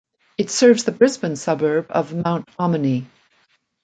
It serves the Brisbane suburb of Mount Ommaney.